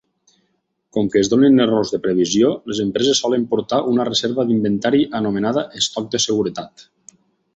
Com que es donen errors de previsió, les empreses solen portar una reserva d'inventari anomenada "estoc de seguretat".